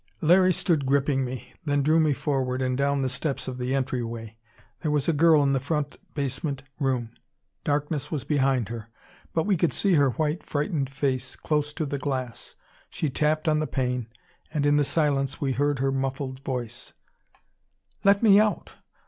Larry stood gripping me, then drew me forward and down the steps of the entryway. There was a girl in the front basement room. Darkness was behind her, but we could see her white frightened face close to the glass. She tapped on the pane, and in the silence we heard her muffled voice: "Let me out!